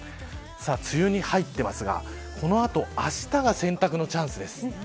梅雨に入っていますがこの後、あしたが洗濯のチャンスです。